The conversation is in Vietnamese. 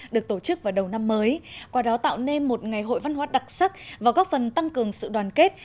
được tổ chức vào đầu năm mới qua đó tạo nên một ngày hội văn hóa đặc sắc và góp phần tăng cường sự đoàn kết